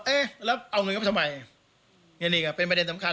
เอ๊ะแล้วเอาเงินเข้าไปทำไมนี่นี่ก็เป็นประเด็นสำคัญ